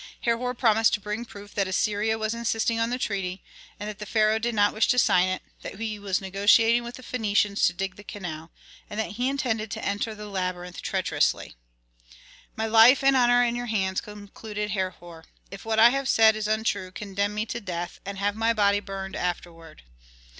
Herhor promised to bring proof that Assyria was insisting on the treaty, and that the pharaoh did not wish to sign it, that he was negotiating with Phœnicians to dig the canal, and that he intended to enter the labyrinth treacherously. "My life and honor are in your hands," concluded Herhor. "If what I have said is untrue condemn me to death, and have my body burned afterward."